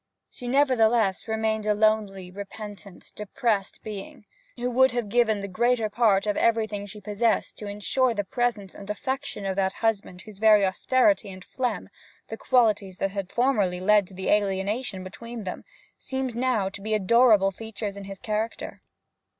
She nevertheless remained a lonely, repentant, depressed being, who would have given the greater part of everything she possessed to ensure the presence and affection of that husband whose very austerity and phlegm qualities that had formerly led to the alienation between them seemed now to be adorable features in his character.